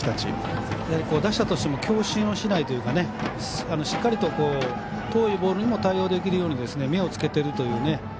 やはり打者としても強振をしないというかしっかりと遠いボールにも対応できるように目をつけてるという。